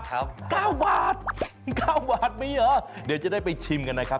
๙หวาดไหมเหรอเดี๋ยวจะได้ไปชิมกันนะครับ